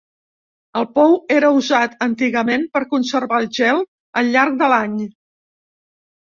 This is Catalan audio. El pou era usat antigament per conservar el gel al llarg de l'any.